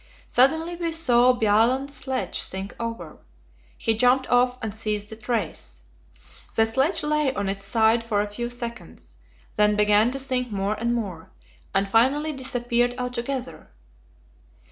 Suddenly we saw Bjaaland's sledge sink over. He jumped off and seized the trace. The sledge lay on its side for a few seconds, then began to sink more and more, and finally disappeared altogether.